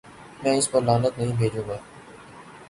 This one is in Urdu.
میں اس پر لعنت نہیں بھیجوں گا۔